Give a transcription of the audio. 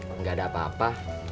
enggak ada apa apa